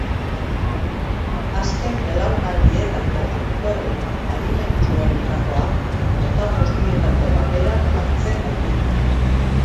Azken belaunaldietako aktore adimentsuenetakoa, mota guztietako paperak hartzen baititu.